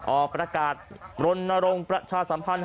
ออกประกาศรณรงค์ประชาสัมพันธ์